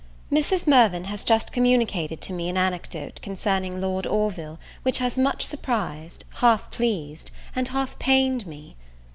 MRS. MIRVAN has just communicated to me an anecdote concerning Lord Orville, which has much surprised, half pleased, and half pained me.